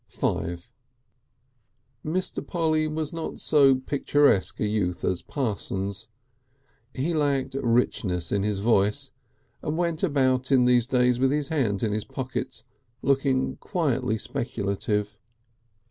V Mr. Polly was not so picturesque a youth as Parsons. He lacked richness in his voice, and went about in those days with his hands in his pockets looking quietly speculative.